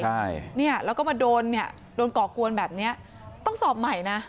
ใช่เนี่ยแล้วก็มาโดนเนี่ยโดนก่อกวนแบบเนี้ยต้องสอบใหม่นะ